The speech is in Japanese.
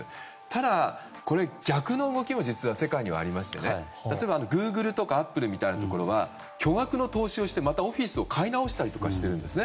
ただ、逆の動きも世界にはありまして例えば、グーグルとかアップルみたいなところは巨額の投資をしてまたオフィスを買い直したりしているんです。